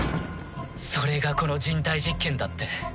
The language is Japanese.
それがこの人体実験だって？